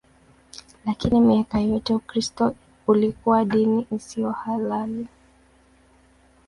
Lakini miaka yote Ukristo ulikuwa dini isiyo halali.